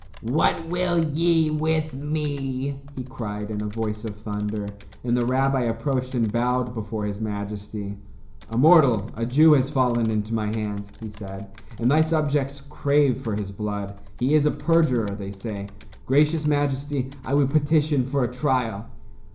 "What will ye with me?" he cried, in a voice of thunder, and the rabbi approached and bowed before his majesty. "A mortal, a Jew, has fallen into my hands," he said, "and thy subjects crave for his blood. He is a perjurer, they say. Gracious majesty, I would petition for a trial."